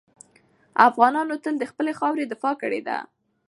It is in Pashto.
افغانانو تل د خپلې خاورې دفاع کړې ده.